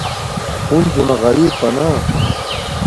ہنزو نا غریپا نا